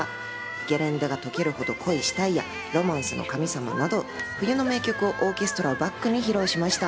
『ゲレンデがとけるほど恋したい』や『ロマンスの神様』など、冬の名曲をオーケストラをバックに披露しました。